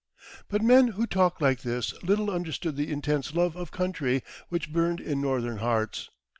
But men who talked like this little understood the intense love of country which burned in Northern hearts.